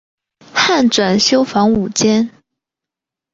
汉纂修房五间。